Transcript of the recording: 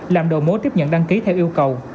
làm đồ mối tiếp nhận đăng ký theo yêu cầu